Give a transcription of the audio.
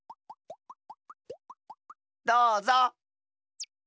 どうぞ。